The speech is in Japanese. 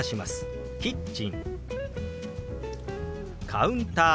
「カウンター」。